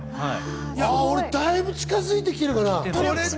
俺、だいぶ近づいてきてるな。